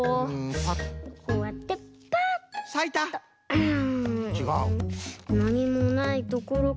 うん。